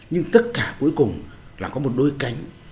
nhưng tất cả cuối cùng là có một đôi cánh